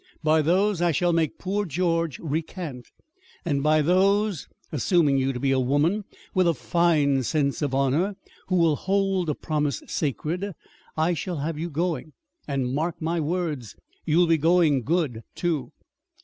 By those I shall make poor George recant, and by those, assuming you to be a woman with a fine sense of honor who will hold a promise sacred, I shall have you going. And, mark my words, you'll be going good, too!"